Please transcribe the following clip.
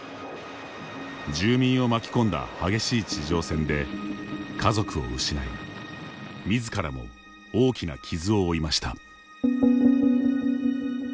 住民を巻き込んだ激しい地上戦で家族を失い自らも大きな傷を負いました。